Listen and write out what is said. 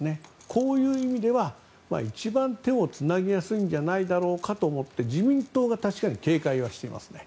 こういう意味では一番手をつなぎやすいんじゃないだろうかと思って自民党が確かに警戒はしていますね。